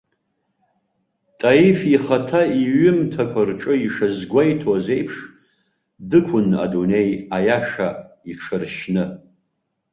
Таиф ихаҭа иҩымҭақәа рҿы ишазгәеиҭоз еиԥш, дықәын адунеи аиаша иҽаршьны.